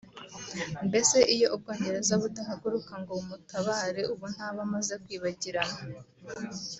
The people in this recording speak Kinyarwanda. Mbese iyo Ubwongereza budahaguruka ngo bumutabare ubu ntaba amaze kwibagirana